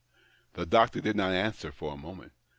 " The doctor did not answer for a moment.